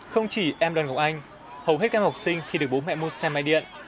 không chỉ em đoàn độc anh hầu hết các học sinh khi được bố mẹ mua xe máy điện